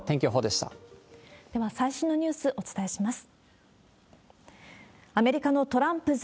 では、最新のニュース、お伝えします。